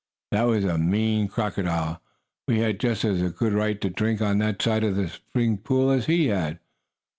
"That was a mean crocodile! We had just as good right to drink on that side of the spring pool as he had!"